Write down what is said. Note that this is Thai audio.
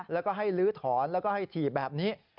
แล้วก็ให้ลื้อถอนแล้วก็ให้ถี่แบบนี้